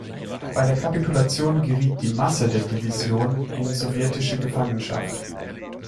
Bei der Kapitulation geriet die Masse der Division in sowjetische Gefangenschaft.